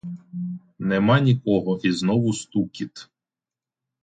Нема нікого і знову стукіт.